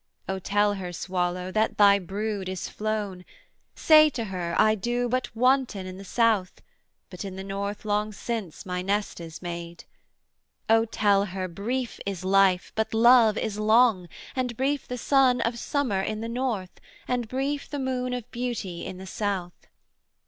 'O tell her, Swallow, that thy brood is flown: Say to her, I do but wanton in the South, But in the North long since my nest is made. 'O tell her, brief is life but love is long, And brief the sun of summer in the North, And brief the moon of beauty in the South.